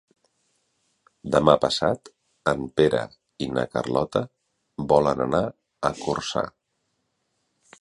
Demà passat en Pere i na Carlota volen anar a Corçà.